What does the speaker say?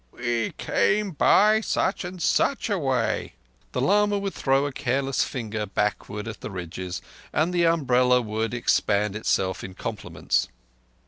"We came by such and such a way!" The lama would throw a careless finger backward at the ridges, and the umbrella would expend itself in compliments.